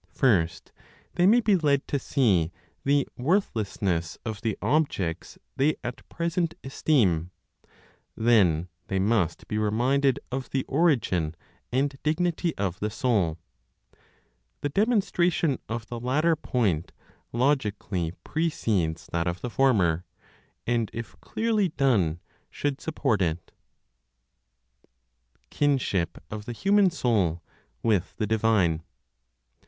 First, they may be led to see the worthlessness of the objects they at present esteem; then they must be reminded of the origin and dignity of the soul. The demonstration of the latter point logically precedes that of the former; and if clearly done, should support it. KINSHIP OF THE HUMAN SOUL WITH THE DIVINE.